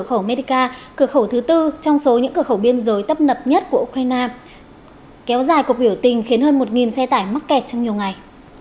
cửa khẩu medica cửa khẩu thứ tư trong số những cửa khẩu biên giới tấp nập nhất của ukraine kéo dài cuộc biểu tình khiến hơn một xe tải mắc kẹt trong nhiều ngày